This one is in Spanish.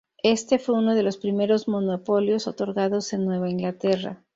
Este fue uno de los primeros monopolios otorgados en Nueva Inglaterra.